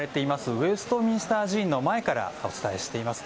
ウェストミンスター寺院の前からお伝えしています。